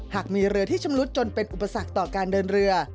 หากมีเรือที่ชำรุดจนเป็นอุปสรรคต่อการเดินเรือ